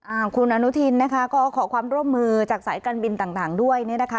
อ่าคุณอนุทินนะคะก็ขอความร่วมมือจากสายการบินต่างต่างด้วยเนี่ยนะคะ